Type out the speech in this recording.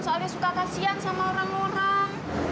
soalnya suka kasian sama orang orang